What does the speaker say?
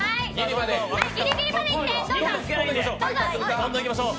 どんどんいきましょう。